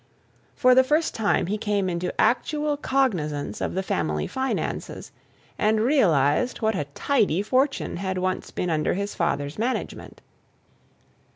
For the first time he came into actual cognizance of the family finances, and realized what a tidy fortune had once been under his father's management.